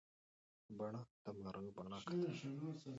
بڼه د مارغه بڼکه ده.